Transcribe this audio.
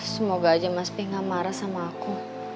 semoga aja mas pi gak marah sama aku